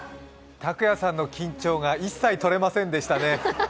拓也さんの緊張が一切取れませんでしたね。